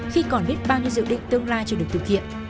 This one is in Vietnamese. khi còn biết bao nhiêu dự định tương lai chưa được thực hiện